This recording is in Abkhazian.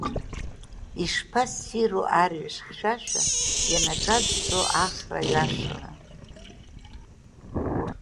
Ишԥассиру арҩаш хьшәашәа, ианаҿаӡсо ахра ҩашра.